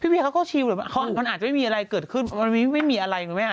เบียเขาก็ชิวมันอาจจะไม่มีอะไรเกิดขึ้นมันไม่มีอะไรคุณแม่